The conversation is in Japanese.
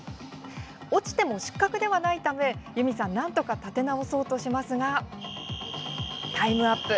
落ちても失格ではないため裕美さん、なんとか立て直そうとしますがタイムアップ。